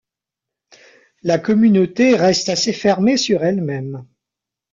La communauté reste assez fermée sur elle-même.